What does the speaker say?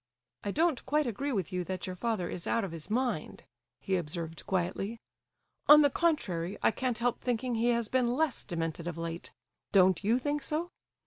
"I don't quite agree with you that your father is out of his mind," he observed, quietly. "On the contrary, I cannot help thinking he has been less demented of late. Don't you think so?